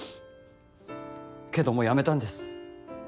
けどもうやめたんです。